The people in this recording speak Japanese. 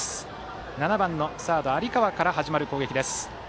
７番のサード、有川から始まる攻撃です。